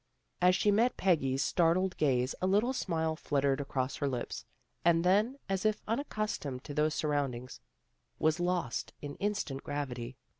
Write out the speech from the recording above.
As she met Peggy's startled gaze a little smile flut tered across her lips, and then, as if unaccus tomed to those surroundings, was lost in in stant gravity.